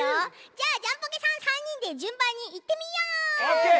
じゃあジャンポケさん３にんでじゅんばんにいってみよう！え！？オーケー！